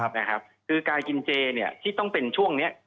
นะครับคือการกินเจที่ต้องเป็นช่วงนี้